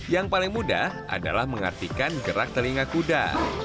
yang paling mudah adalah mengartikan gerak telinga kuda